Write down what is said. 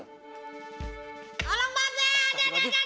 tolong babe ada ada babe